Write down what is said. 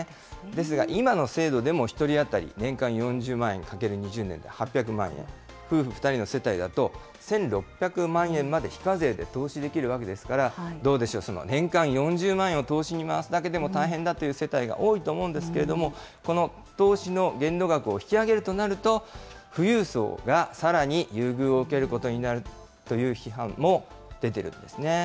ですが今の制度でも１人当たり年間４０万円×２０年の８００万円、夫婦２人の世帯だと１６００万円まで非課税で投資できるわけですから、どうでしょう、年間４０万円を投資に回すだけでも大変だという世帯が多いと思うんですけれども、この投資の限度額を引き上げるとなると、富裕層がさらに優遇を受けることになるという批判も出てるんですね。